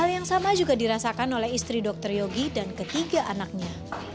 hal yang sama juga dirasakan oleh istri dr yogi dan ketiga anaknya